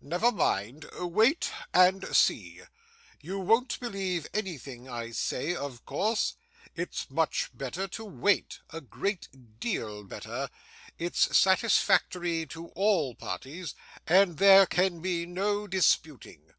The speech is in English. Never mind; wait and see. You won't believe anything I say, of course. It's much better to wait; a great deal better; it's satisfactory to all parties, and there can be no disputing.